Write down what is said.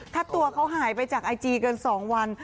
ถ้าตัวเขาหายไปจากไอจีกัน๒วัน